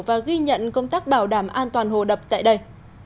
và ghi nhận công tác bảo đảm an toàn hồ đập tại đây